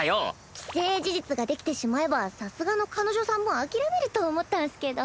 既成事実が出来てしまえばさすがの彼女さんも諦めると思ったんスけど。